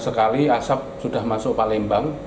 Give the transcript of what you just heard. setelah beberapa kali asap sudah masuk palembang